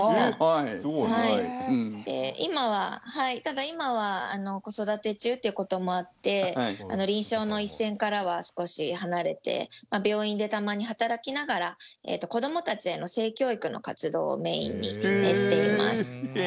今はただ今は子育て中っていうこともあって臨床の一線からは少し離れて病院でたまに働きながら子どもたちへの性教育の活動をメインにしています。